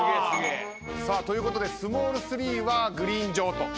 さあということでスモール３はグリーン上という状態。